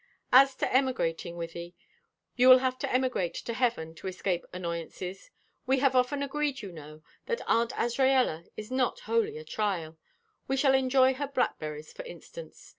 "As to emigrating, Wythie, you will have to emigrate to heaven to escape annoyances. We have often agreed, you know, that Aunt Azraella is not wholly a trial; we shall enjoy her blackberries, for instance.